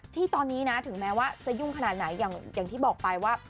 ที่ตอนนี้นะถึงแม้ว่าจะยุ่งขนาดไหนอย่างที่บอกไปว่า